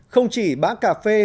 không chỉ bã cà phê